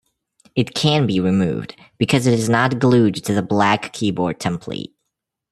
It can be removed because it is not glued to the black keyboard template.